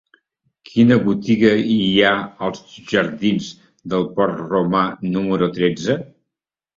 Quina botiga hi ha als jardins del Port Romà número tretze?